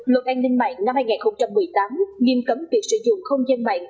luật an ninh mạng năm hai nghìn một mươi tám nghiêm cấm việc sử dụng không gian mạng